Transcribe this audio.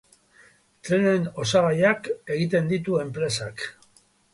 Trenen osagaiak egiten ditu enpresak.